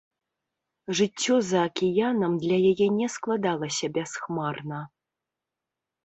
Жыццё за акіянам для яе не складалася бясхмарна.